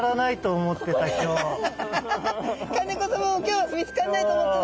金子さまも今日は見つかんないと思ってた。